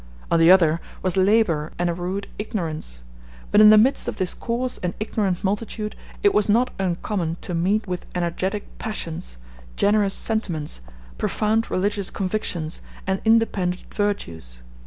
On the other was labor and a rude ignorance; but in the midst of this coarse and ignorant multitude it was not uncommon to meet with energetic passions, generous sentiments, profound religious convictions, and independent virtues.